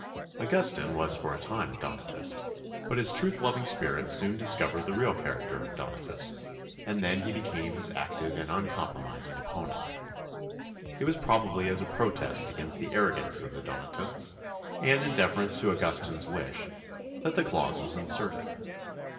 Augustine was for a time a Donatist, but his truth loving spirit soon discovered the real character of Donatus, and then he became his active and uncompromising opponent. It was probably as a protest against the arrogance of the Donatists, and in deference to Augustine's wish, that the clause was inserted.